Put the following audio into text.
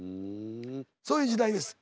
そういう時代です。